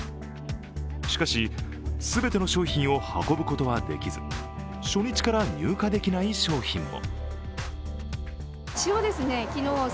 しかし、全ての商品を運ぶことはできず、初日から入荷できない商品も。